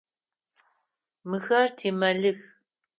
Мыхэр тимэлих.